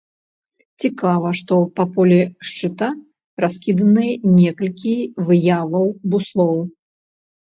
Цікава, што па полі шчыта раскіданыя некалькі выяваў буслоў.